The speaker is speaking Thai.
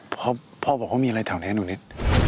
พ่อบอกว่ามีอะไรแถวนี้หนูนิด